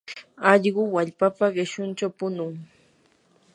allqu wallpapa qishunchaw punun.